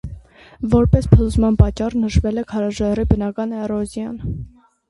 Որպես փլուզման պատճառ նշվել է քարաժայռի բնական էրոզիան։